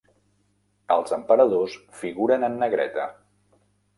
Els emperadors figuren en negreta.